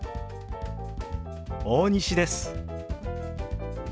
大西です。